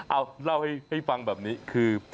เอาเล่าให้ฟังแบบนี้คือ